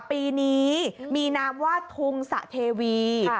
ปีนี้มีนามว่าทุงสะเทวี